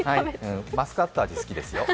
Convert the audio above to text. マスカット味好きですよ。